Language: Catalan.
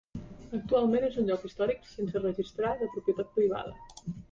Actualment, és un lloc històric sense registrar de propietat privada.